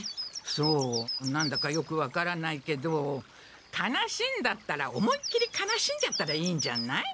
そう何だかよく分からないけど悲しいんだったら思いっきり悲しんじゃったらいいんじゃない？